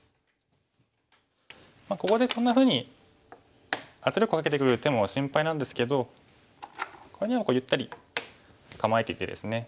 ここでこんなふうに圧力をかけてくる手も心配なんですけどこれにはゆったり構えていてですね。